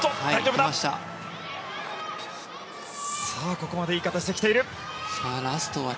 ここまでいい形で来ている。